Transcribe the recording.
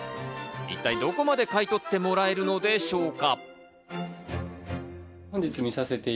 一体どこまで買い取ってもらえるのでしょうか。